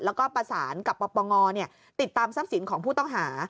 แล้วก็ประสานกับปปงติดตามทรัพย์สินของผู้ต้องหา